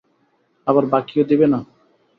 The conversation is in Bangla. আবার বাকিও দিবেনা।